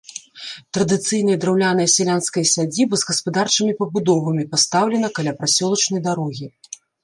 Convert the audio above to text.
Традыцыйная драўляная сялянская сядзіба з гаспадарчымі пабудовамі пастаўлена каля прасёлачнай дарогі.